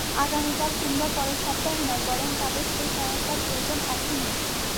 আগামীকাল কিংবা পরের সপ্তাহে নয়, বরং তাঁদের সেই সহায়তার প্রয়োজন এখনই।